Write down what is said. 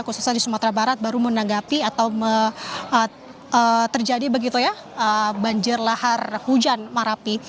khususnya di sumatera barat baru menanggapi atau terjadi begitu ya banjir lahar hujan marapi